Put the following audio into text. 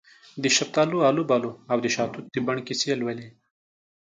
دشفتالو، الوبالواودشاه توت د بڼ کیسې لولې